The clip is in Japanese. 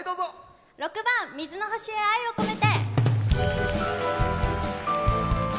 ６番「水の星へ愛をこめて」。